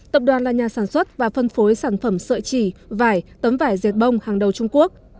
tập đoàn là nhà sản xuất và phân phối sản phẩm sợi chỉ vải tấm vải dệt bông hàng đầu trung quốc